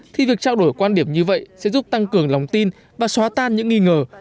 thì việc trao đổi quan điểm như vậy sẽ giúp tăng cường lòng tin và xóa tan những nghi ngờ